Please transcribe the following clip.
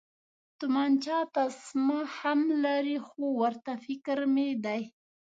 تومانچه تسمه هم لري، هو، ورته فکر مې دی.